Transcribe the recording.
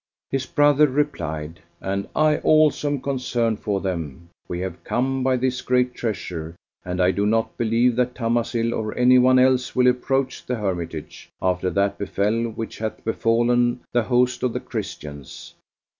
His brother replied, "And I also am concerned for them: we have come by this great treasure and I do not believe that Tamasil or any one else will approach the hermitage, after that befel which hath befallen the host of the Christians.